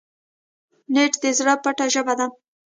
نیت د زړه پټه ژبه ده.